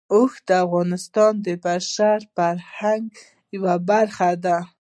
اوښ د افغانستان د بشري فرهنګ یوه برخه ده.